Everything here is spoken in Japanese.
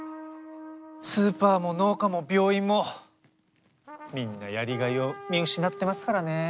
スーパーも農家も病院もみんなやりがいを見失ってますからね。